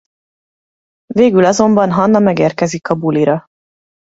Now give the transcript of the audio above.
Végül azonban Hannah megérkezik a bulira.